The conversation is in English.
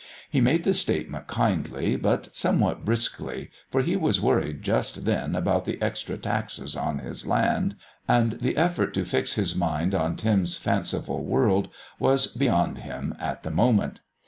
He made the statement kindly but somewhat briskly, for he was worried just then about the extra taxes on his land, and the effort to fix his mind on Tim's fanciful world was beyond him at the moment.